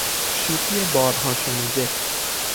شوخی بارها شنوده